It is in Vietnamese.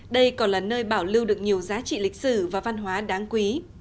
đây còn là nơi bảo lưu được nhiều giá trị lịch sử và văn hóa đáng quý